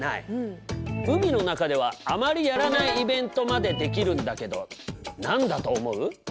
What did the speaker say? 海の中ではあまりやらないイベントまでできるんだけど何だと思う？